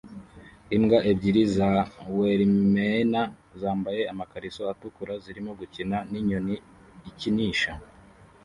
Imbwa ebyiri za Weirmeiner zambaye amakariso atukura zirimo gukina ninyoni ikinisha